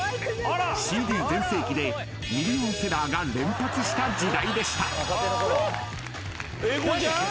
［ＣＤ全盛期でミリオンセラーが連発した時代でした］